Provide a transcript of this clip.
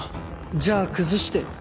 じゃあ崩してよ